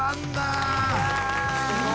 すごーい。